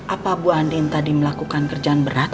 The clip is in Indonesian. apa bu andin tadi melakukan kerjaan berat